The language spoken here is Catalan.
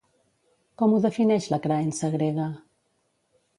Com ho defineix la creença grega?